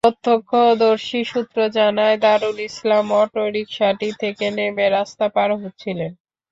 প্রত্যক্ষদর্শী সূত্র জানায়, দারুল ইসলাম অটোরিকশাটি থেকে নেমে রাস্তা পার হচ্ছিলেন।